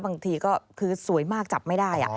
บางทีก็คือสวยมากจับไม่ได้